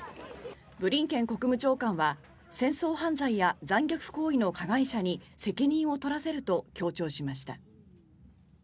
ブリンケン国務長官は戦争犯罪や残虐行為の加害者に責任を取らせると強調しました。